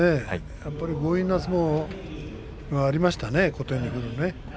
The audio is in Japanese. やっぱり強引な相撲がありましたね、小手に振る。